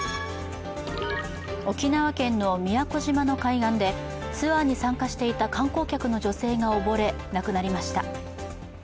沖縄県の宮古島の海岸でツアーに参加していた観光客の女性が溺れ、亡くなりました。